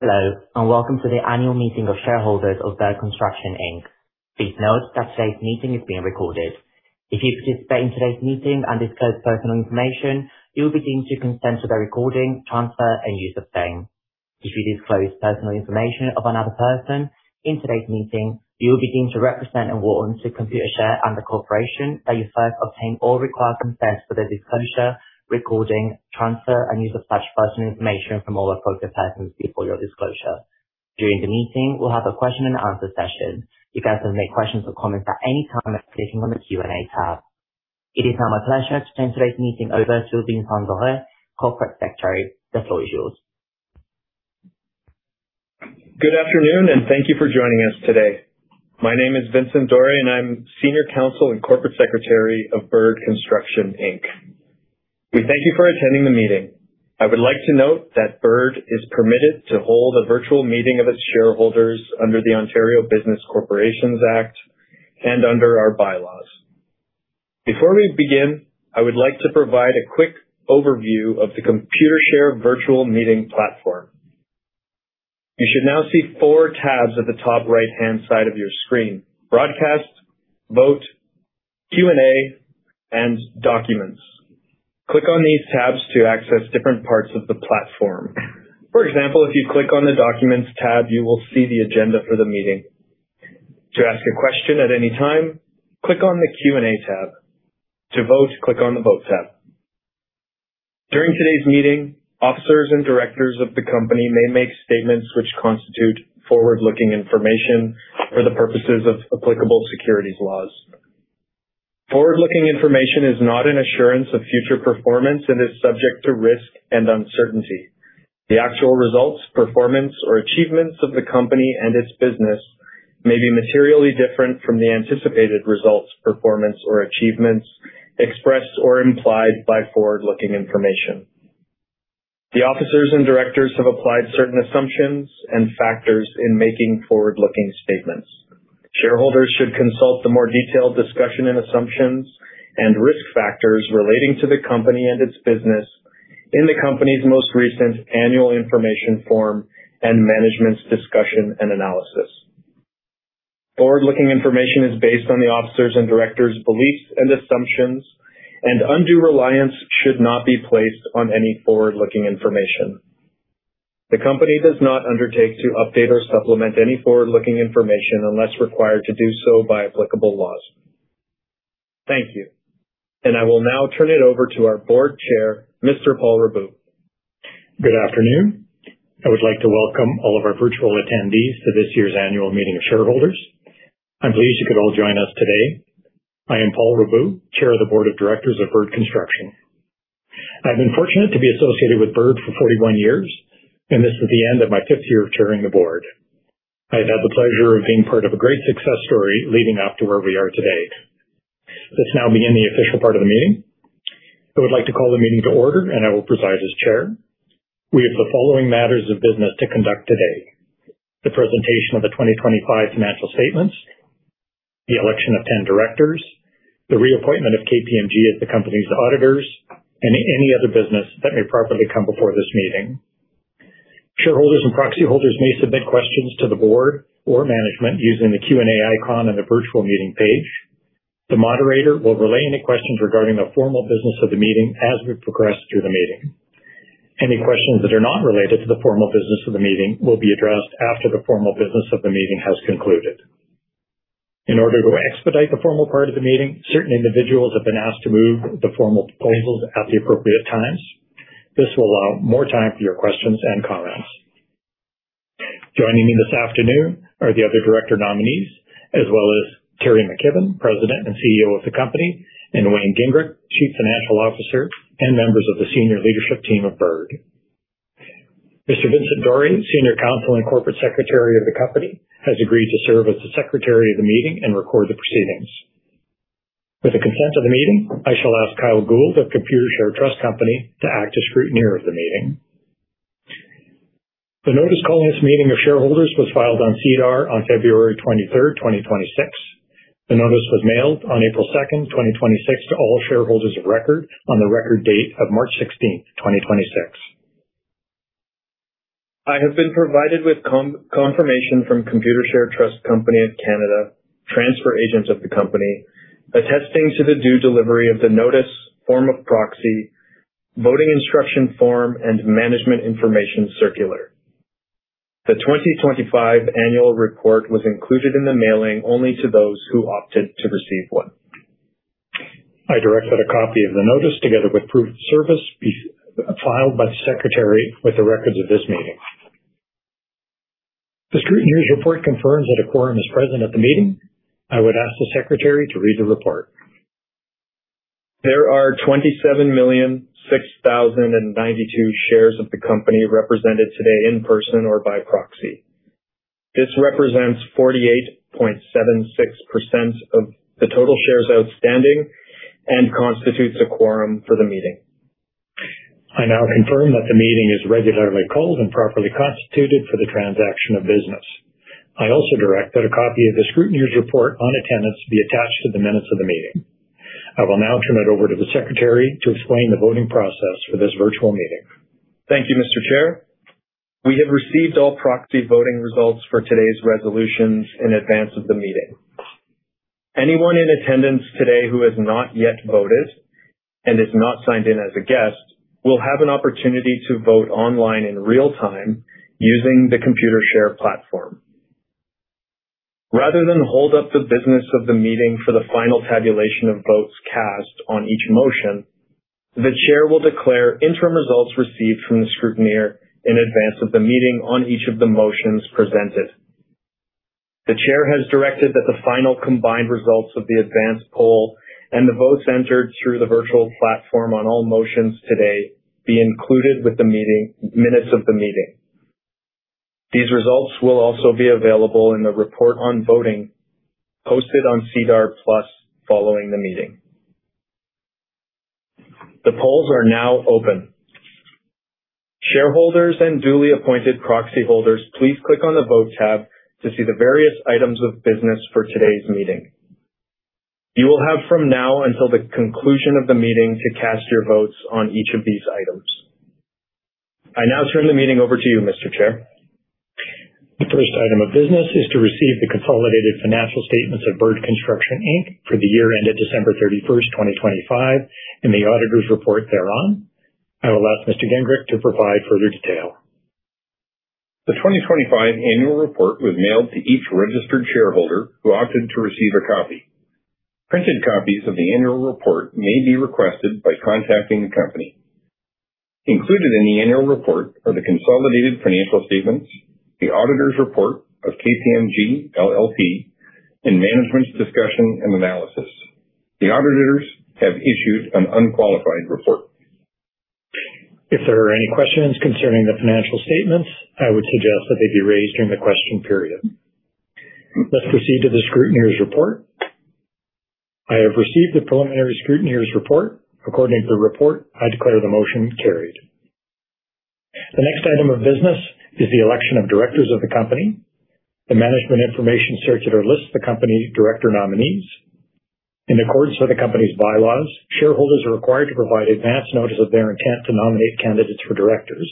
Hello, and welcome to the annual meeting of shareholders of Bird Construction Inc. Please note that today's meeting is being recorded. If you participate in today's meeting and disclose personal information, you will be deemed to consent to the recording, transfer, and use of same. If you disclose personal information of another person in today's meeting, you will be deemed to represent and warrant to Computershare and the corporation that you first obtain all required consents for the disclosure, recording, transfer, and use of such personal information from all affected persons before your disclosure. During the meeting, we'll have a question-and-answer session. You can submit questions or comments at any time by clicking on the Q&A tab. It is now my pleasure to turn today's meeting over to Vincent Doré, Corporate Secretary. The floor is yours. Good afternoon, and thank you for joining us today. My name is Vincent Doré, and I'm Senior Counsel and Corporate Secretary of Bird Construction Inc. We thank you for attending the meeting. I would like to note that Bird is permitted to hold a virtual meeting of its shareholders under the Ontario Business Corporations Act and under our bylaws. Before we begin, I would like to provide a quick overview of the Computershare virtual meeting platform. You should now see four tabs at the top right-hand side of your screen. Broadcast, Vote, Q&A, and Documents. Click on these tabs to access different parts of the platform. For example, if you click on the Documents tab, you will see the agenda for the meeting. To ask a question at any time, click on the Q&A tab. To vote, click on the Vote tab. During today's meeting, officers and directors of the company may make statements which constitute forward-looking information for the purposes of applicable securities laws. Forward-looking information is not an assurance of future performance and is subject to risk and uncertainty. The actual results, performance, or achievements of the company and its business may be materially different from the anticipated results, performance, or achievements expressed or implied by forward-looking information. The officers and directors have applied certain assumptions and factors in making forward-looking statements. Shareholders should consult the more detailed discussion and assumptions and risk factors relating to the company and its business in the company's most recent annual information form and management's discussion and analysis. Forward-looking information is based on the officers' and directors' beliefs and assumptions, and undue reliance should not be placed on any forward-looking information. The company does not undertake to update or supplement any forward-looking information unless required to do so by applicable laws. Thank you. I will now turn it over to our Board Chair, Mr. Paul Raboud. Good afternoon. I would like to welcome all of our virtual attendees to this year's annual meeting of shareholders. I'm pleased you could all join us today. I am Paul Raboud, chair of the board of directors of Bird Construction. I've been fortunate to be associated with Bird for 41 years, and this is the end of my fifth year of chairing the board. I've had the pleasure of being part of a great success story leading up to where we are today. Let's now begin the official part of the meeting. I would like to call the meeting to order, and I will preside as chair. We have the following matters of business to conduct today. The presentation of the 2025 financial statements, the election of 10 directors, the reappointment of KPMG as the company's auditors, and any other business that may properly come before this meeting. Shareholders and proxy holders may submit questions to the board or management using the Q&A icon on the virtual meeting page. The moderator will relay any questions regarding the formal business of the meeting as we progress through the meeting. Any questions that are not related to the formal business of the meeting will be addressed after the formal business of the meeting has concluded. In order to expedite the formal part of the meeting, certain individuals have been asked to move the formal proposals at the appropriate times. This will allow more time for your questions and comments. Joining me this afternoon are the other director nominees, as well as Terry McKibbon, President and CEO of the company, and Wayne Gingrich, Chief Financial Officer, and members of the senior leadership team of Bird. Mr. Vincent Doré, Senior Counsel and Corporate Secretary of the company, has agreed to serve as the secretary of the meeting and record the proceedings. With the consent of the meeting, I shall ask Kyle Gould of Computershare Trust Company to act as scrutineer of the meeting. The notice calling this meeting of shareholders was filed on SEDAR on February 23rd, 2026. The notice was mailed on April 2nd, 2026, to all shareholders of record on the record date of March 16th, 2026. I have been provided with confirmation from Computershare Trust Company of Canada, transfer agents of the company, attesting to the due delivery of the notice, form of proxy, voting instruction form, and management information circular. The 2025 annual report was included in the mailing only to those who opted to receive one. I direct that a copy of the notice together with proof of service be filed by the secretary with the records of this meeting. The scrutineer's report confirms that a quorum is present at the meeting. I would ask the secretary to read the report. There are 27,006,092 shares of the company represented today in person or by proxy. This represents 48.76% of the total shares outstanding and constitutes a quorum for the meeting. I now confirm that the meeting is regularly called and properly constituted for the transaction of business. I also direct that a copy of the scrutineer's report on attendance be attached to the minutes of the meeting. I will now turn it over to the secretary to explain the voting process for this virtual meeting. Thank you, Mr. Chair. We have received all proxy voting results for today's resolutions in advance of the meeting. Anyone in attendance today who has not yet voted and is not signed in as a guest will have an opportunity to vote online in real time using the Computershare platform. Rather than hold up the business of the meeting for the final tabulation of votes cast on each motion, the chair will declare interim results received from the scrutineer in advance of the meeting on each of the motions presented. The chair has directed that the final combined results of the advanced poll and the votes entered through the virtual platform on all motions today be included with the minutes of the meeting. These results will also be available in the report on voting posted on SEDAR+ following the meeting. The polls are now open. Shareholders and duly appointed proxy holders, please click on the Vote tab to see the various items of business for today's meeting. You will have from now until the conclusion of the meeting to cast your votes on each of these items. I now turn the meeting over to you, Mr. Chair. The first item of business is to receive the consolidated financial statements of Bird Construction Inc. for the year ended December 31st, 2025, and the auditor's report thereon. I will ask Mr. Gingrich to provide further detail. The 2025 annual report was mailed to each registered shareholder who opted to receive a copy. Printed copies of the annual report may be requested by contacting the company. Included in the annual report are the consolidated financial statements, the auditor's report of KPMG LLP, and management's discussion and analysis. The auditors have issued an unqualified report. If there are any questions concerning the financial statements, I would suggest that they be raised during the question period. Let's proceed to the scrutineer's report. I have received the preliminary scrutineer's report. According to the report, I declare the motion carried. The next item of business is the election of directors of the company. The management information circular lists the company director nominees. In accordance with the company's bylaws, shareholders are required to provide advance notice of their intent to nominate candidates for directors.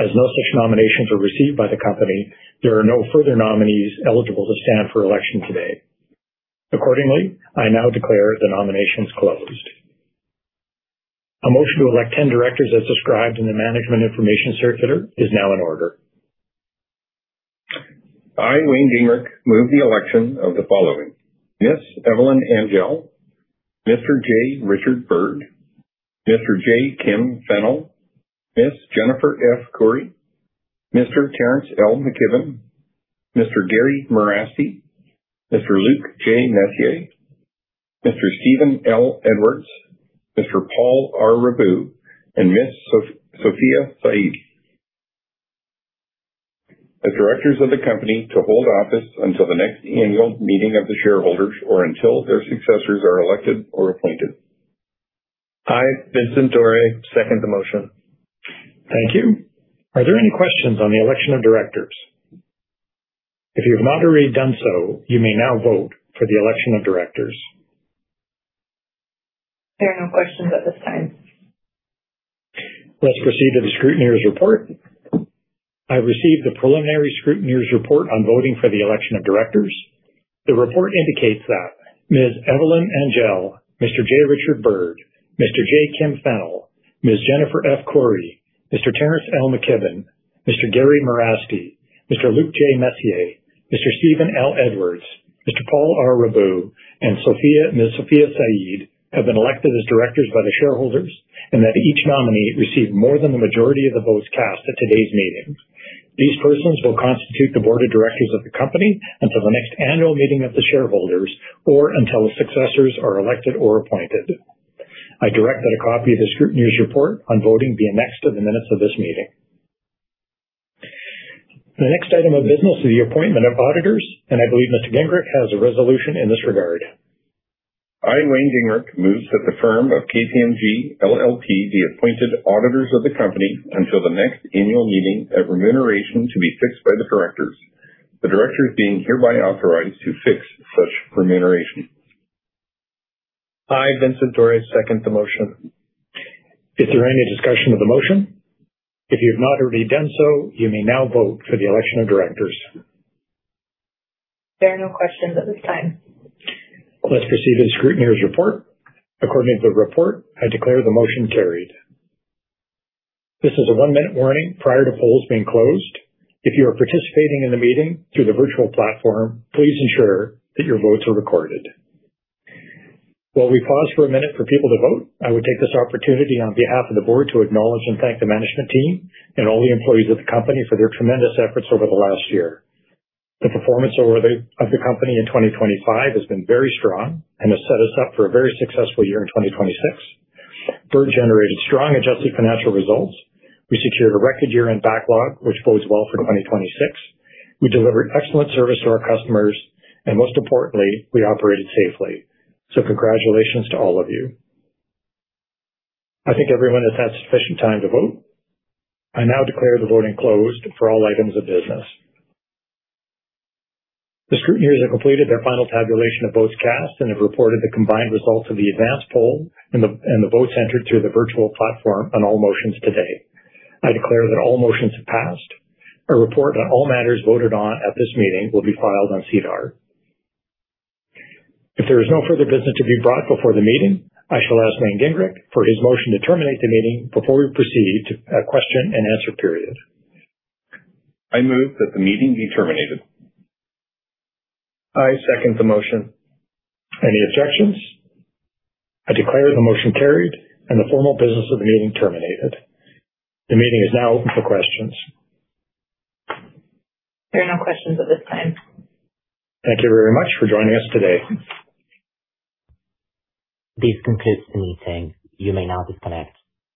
As no such nominations are received by the company, there are no further nominees eligible to stand for election today. Accordingly, I now declare the nominations closed. A motion to elect 10 directors as described in the management information circular is now in order. I, Wayne Gingrich, move the election of the following: Ms. Evelyn Angelle, Mr. J. Richard Bird, Mr. J. Kim Fennell, Ms. Jennifer F. Koury, Mr. Terrance L. McKibbon, Mr. Gary Merasty, Mr. Luc J. Messier, Mr. Steven L. Edwards, Mr. Paul R. Raboud, and Ms. Sophia Saeed. The directors of the company to hold office until the next annual meeting of the shareholders or until their successors are elected or appointed. I, Vincent Doré, second the motion. Thank you. Are there any questions on the election of directors? If you have not already done so, you may now vote for the election of directors. There are no questions at this time. Let's proceed to the scrutineer's report. I received the preliminary scrutineer's report on voting for the election of directors. The report indicates that Ms. Evelyn Angelle, Mr. J. Richard Bird, Mr. J. Kim Fennell, Ms. Jennifer F. Koury, Mr. Terrance L. McKibbon, Mr. Gary Merasty, Mr. Luc J. Messier, Mr. Steven L. Edwards, Mr. Paul R. Raboud, and Ms. Sophia Saeed have been elected as directors by the shareholders, and that each nominee received more than the majority of the votes cast at today's meeting. These persons will constitute the board of directors of the company until the next annual meeting of the shareholders or until the successors are elected or appointed. I direct that a copy of the scrutineer's report on voting be annexed to the minutes of this meeting. The next item of business is the appointment of auditors. I believe Mr. Gingrich has a resolution in this regard. I, Wayne Gingrich, move that the firm of KPMG LLP be appointed auditors of the company until the next annual meeting of remuneration to be fixed by the directors. The directors being hereby authorized to fix such remuneration. I, Vincent Doré, second the motion. Is there any discussion of the motion? If you have not already done so, you may now vote for the election of directors. There are no questions at this time. Let's proceed to the scrutineer's report. According to the report, I declare the motion carried. This is a one-minute warning prior to polls being closed. If you are participating in the meeting through the virtual platform, please ensure that your votes are recorded. While we pause for a minute for people to vote, I would take this opportunity on behalf of the board to acknowledge and thank the management team and all the employees of the company for their tremendous efforts over the last year. The performance of the company in 2025 has been very strong and has set us up for a very successful year in 2026. Bird generated strong adjusted financial results. We secured a record year-end backlog, which bodes well for 2026. We delivered excellent service to our customers, and most importantly, we operated safely. Congratulations to all of you. I think everyone has had sufficient time to vote. I now declare the voting closed for all items of business. The scrutineers have completed their final tabulation of votes cast and have reported the combined results of the advanced poll and the votes entered through the virtual platform on all motions today. I declare that all motions have passed. A report on all matters voted on at this meeting will be filed on SEDAR. If there is no further business to be brought before the meeting, I shall ask Wayne Gingrich for his motion to terminate the meeting before we proceed to a question-and-answer period. I move that the meeting be terminated. I second the motion. Any objections? I declare the motion carried and the formal business of the meeting terminated. The meeting is now open for questions. There are no questions at this time. Thank you very much for joining us today. This concludes the meeting. You may now disconnect.